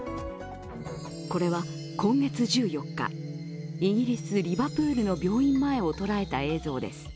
これは今月１４日、イギリス・リバプールの病院前を捉えた映像です。